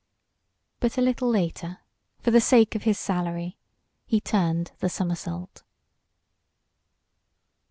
But a little later, for the sake of his salary, he turned the somersault.